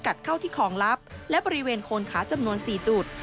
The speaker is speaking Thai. เข้าที่ของลับและบริเวณโคนขาจำนวน๔จุด